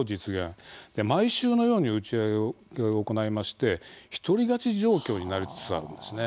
毎週のように打ち上げを行いまして一人勝ち状況になりつつあるんですね。